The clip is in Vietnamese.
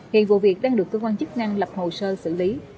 hiện vụ việc đang được cơ quan chức năng lập hồ sơ xử lý